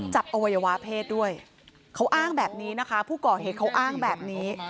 อวัยวะเพศด้วยเขาอ้างแบบนี้นะคะผู้ก่อเหตุเขาอ้างแบบนี้